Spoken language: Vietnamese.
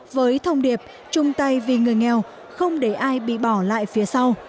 với thông điệp chung tay vì người nghèo không để ai bị bỏ lại phía sau